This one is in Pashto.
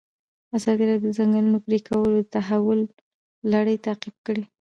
ازادي راډیو د د ځنګلونو پرېکول د تحول لړۍ تعقیب کړې.